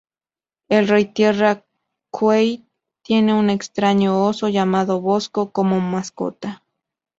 El Rey Tierra Kuei tiene un extraño "oso" llamado Bosco, como mascota.